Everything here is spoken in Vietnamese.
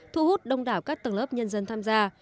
thu hút đông đảo các tầng lớp nhân dân tham gia